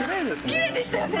きれいでしたよね？